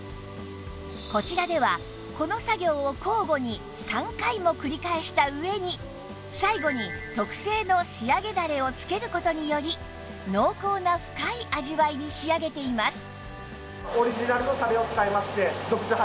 こちらではこの作業を交互に３回も繰り返した上に最後に特製の仕上げだれを付ける事により濃厚な深い味わいに仕上げています